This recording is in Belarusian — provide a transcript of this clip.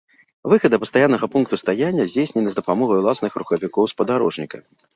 Выхад да пастаяннага пункту стаяння здзейснены з дапамогай уласных рухавікоў спадарожніка.